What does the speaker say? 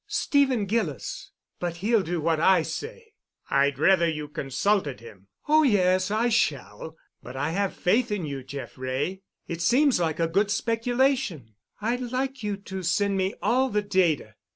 "Stephen Gillis. But he'll do what I say." "I'd rather you consulted him." "Oh, yes, I shall. But I have faith in you, Jeff Wray. It seems like a good speculation. I'd like you to send me all the data.